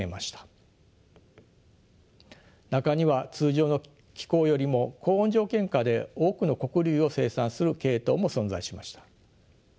中には通常の気候よりも高温条件下で多くの穀粒を生産する系統も存在しました。